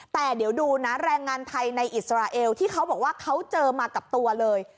แต่เดี๋ยวดูนะแรงงานไทยในอิสราเอลที่เขาบอกว่าเขาเจอมากับตัวเลย